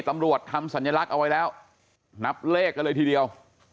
ตำรวจทำสัญลักษณ์เอาไว้แล้วนับเลขกันเลยทีเดียว